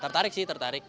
tertarik sih tertarik